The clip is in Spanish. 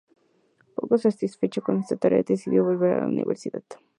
Poco satisfecha con esta tarea, decidió volver a la universidad.